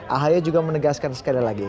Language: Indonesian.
ahaya juga menegaskan sekali lagi